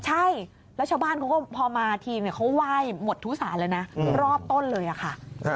ใช่แล้วชาวบ้านเขาก็พอมาทีมเขาไหว้หมดทุกสารเลยนะรอบต้นเลยค่ะ